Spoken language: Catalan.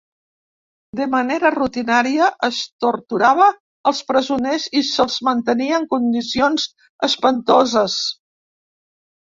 De manera rutinària, es torturava els presoners i se'ls mantenia en condicions espantoses.